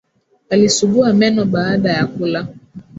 Alisugua meno baada ya kula